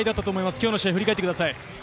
今日の試合を振り返ってください。